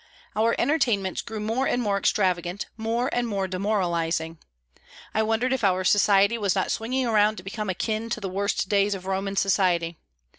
Our entertainments grew more and more extravagant, more and more demoralising. I wondered if our society was not swinging around to become akin to the worst days of Roman society.